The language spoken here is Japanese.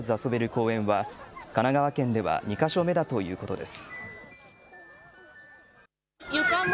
公園は神奈川県では２か所目だということです。